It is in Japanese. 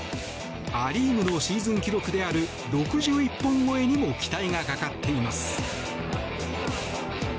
ア・リーグのシーズン記録である６１本超えにも期待がかかっています。